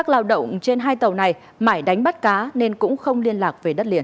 lao động trên hai tàu này mãi đánh bắt cá nên cũng không liên lạc về đất liền